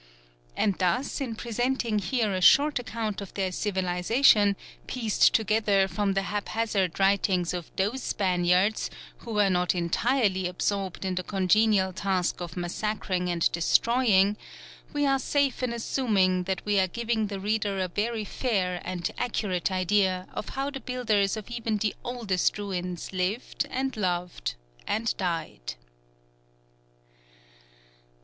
And thus in presenting here a short account of their civilisation, pieced together from the haphazard writings of those Spaniards who were not entirely absorbed in the congenial task of massacring and destroying, we are safe in assuming that we are giving the reader a very fair and accurate idea of how the builders of even the oldest ruins lived and loved and died.